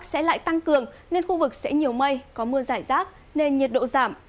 khu vực phía đông bắc sẽ lại tăng cường nên khu vực sẽ nhiều mây có mưa giải rác nên nhiệt độ giảm